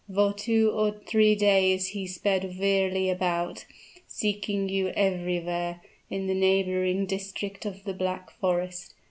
For two or three days he sped wearily about, seeking you everywhere in the neighboring district of the Black Forest.